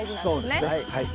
そうですねはい。